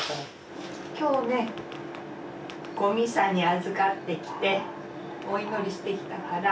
今日ねごミサにあずかってきてお祈りしてきたから。